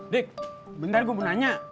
dik bentar gue mau nanya